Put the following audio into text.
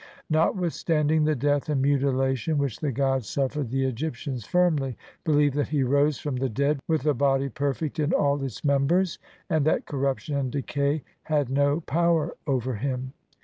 Notwithstand ing the death and mutilation which the god suf fered the Egyptians firmly believed that he rose from the dead with a body perfect in all its members, and that corruption and decay had no power over him.